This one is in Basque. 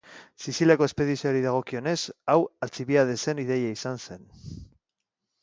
Siziliako espedizioari dagokionez, hau Altzibiadesen ideia zen.